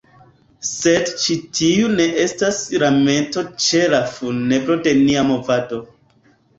Sed ĉi tiu ne estas lamento ĉe la funebro de nia movado.